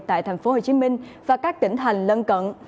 tại thành phố hồ chí minh và các tỉnh thành lân cận